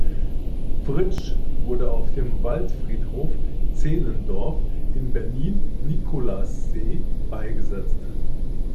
Fritsch wurde auf dem Waldfriedhof Zehlendorf in Berlin-Nikolassee beigesetzt.